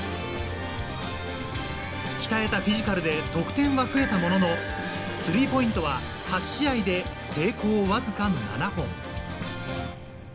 鍛えたフィジカルで得点は増えたものの、スリーポイントは８試合で成功わずか７本。